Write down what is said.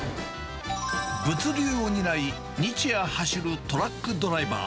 物流を担い、日夜走るトラックドライバー。